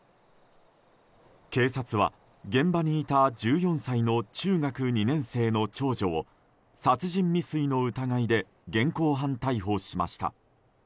警察は、現場にいた１４歳の中学２年生の長女を殺人未遂の疑いで現行犯逮捕しました。